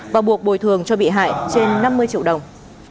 và buộc bồi thường cho bị hại trên năm mươi triệu đồng